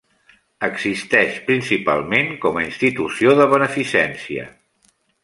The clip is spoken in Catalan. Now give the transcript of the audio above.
Existeix principalment com a institució de beneficència.